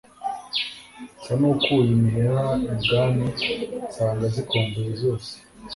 Nsa n' ukuye imiheha ibwamiNsanga zinkumbuye zose